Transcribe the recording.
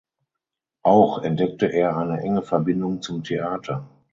Auch entdeckte er eine enge Verbindung zum Theater.